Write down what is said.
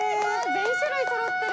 全種類揃ってる。